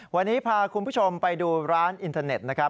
วันนี้พาคุณผู้ชมไปดูร้านอินเทอร์เน็ตนะครับ